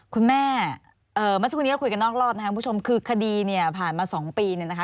คุณแม่เมื่อสักครู่นี้เราคุยกันนอกรอบนะครับคุณผู้ชมคือคดีเนี่ยผ่านมา๒ปีเนี่ยนะคะ